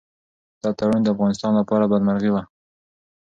دا تړون د افغانستان لپاره بدمرغي وه.